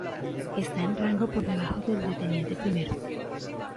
Está, en rango, por debajo del de teniente primero.